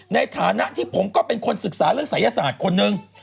ในฐานะที่ผมก็เป็นคนศึกษาเรื่องศัยศาสตร์คนนึง